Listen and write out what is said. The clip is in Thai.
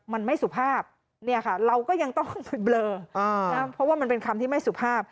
มันไม่สุภาพเนี่ยค่ะเราก็ยังต้องเบลอเพราะว่ามันเป็นคำที่ไม่สุภาพ